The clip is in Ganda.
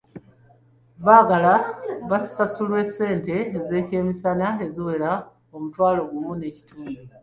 Baagala basasulwe ssente z'ekyemisana eziwera omutwalo gumu n'ekitundu.